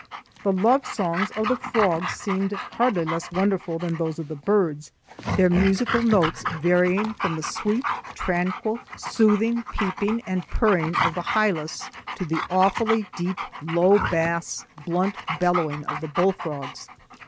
The love songs of the frogs seemed hardly less wonderful than those of the birds, their musical notes varying from the sweet, tranquil, soothing peeping and purring of the hylas to the awfully deep low bass blunt bellowing of the bullfrogs.